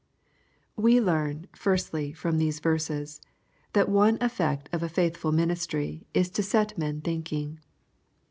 We learn, firstly, from these verses, that one effect of a faithful ministry is to set men thinking.